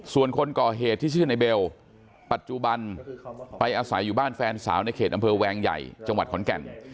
ส่วนคนก่อเหตุที่ชื่อในเบลปัจจุบันไปอาศัยอยู่บ้านแฟนสาวในเขตอำเภอแวงใหญ่จังหวัดขอนแก่น